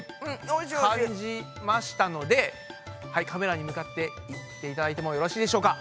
いカメラに向かって言っていただいてもよろしいでしょうか？